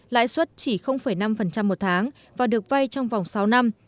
lãi suất chỉ năm một tháng và được vay trong vòng sáu năm